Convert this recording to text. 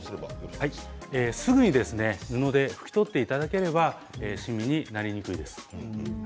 すぐに布で拭き取っていただければしみになりにくいです。